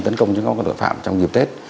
tấn công những tội phạm trong dịp tết